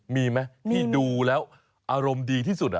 มีไหมที่ดูแล้วอารมณ์ดีที่สุด